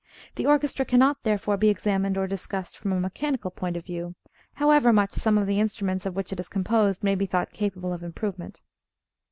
The orchestra cannot therefore be examined or discussed from a mechanical point of view, however much some of the instruments of which it is composed may be thought capable of improvement.